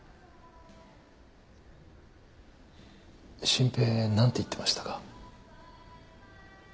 真平何て言ってましたか？